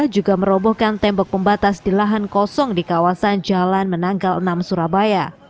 juga merobohkan tembok pembatas di lahan kosong di kawasan jalan menanggal enam surabaya